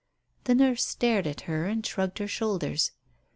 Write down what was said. The nurse stared at her, and shrugged her shoulders.